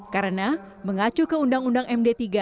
karena mengacu ke undang undang md tiga